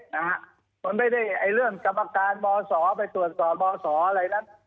มันไม่ได้เรื่องกรรมการมศไปตรวจสอนมศอะไรนั้น